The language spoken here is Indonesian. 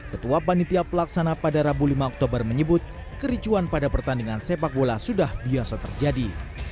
ketua panitia pelaksana pada rabu lima oktober menyebut kericuan pada pertandingan sepak bola sudah biasa terjadi